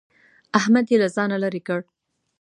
احمد يې له ځانه لرې کړ.